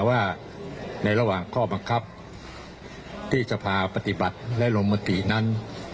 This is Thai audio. ว่าในระหว่างข้อบังคับที่สภาปฏิบัติและลงมตินั้น